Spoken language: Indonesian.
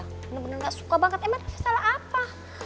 bener bener gak suka banget emang ada salah apa